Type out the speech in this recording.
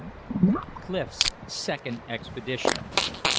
CLIF'S SECOND EXPEDITION.